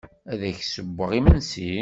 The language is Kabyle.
Ad ak-d-ssewweɣ imensi?